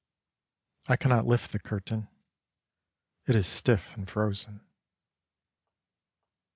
I cannot lift the curtain: It is stiff and frozen.